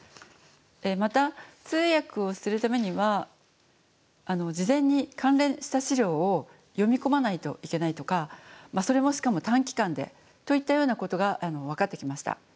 また通訳をするためには事前に関連した資料を読み込まないといけないとかそれもしかも短期間でといったようなことが分かってきました。